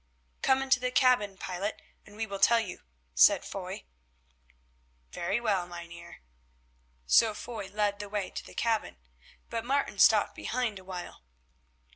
"Come into the cabin, pilot, and we will tell you," said Foy. "Very well, Mynheer." So Foy led the way to the cabin, but Martin stopped behind a while.